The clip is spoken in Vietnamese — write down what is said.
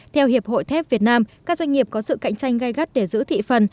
theo hiệp hội thép việt nam các doanh nghiệp có sự cạnh tranh gai gắt để giữ thị phần